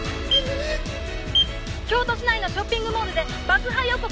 「京都市内のショッピングモールで爆破予告がありました！」